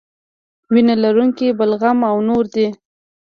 وینه لرونکي بلغم او نور دي.